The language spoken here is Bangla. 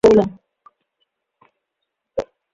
আপনি পুরোপুরি গান কেন ছেড়ে দিলেন?